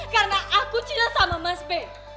karena aku cinta sama mas b